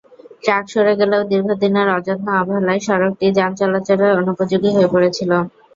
Truck সরে গেলেও দীর্ঘদিনের অযত্ন-অবহেলায় সড়কটি যান চলাচলের অনুপযোগী হয়ে পড়েছিল।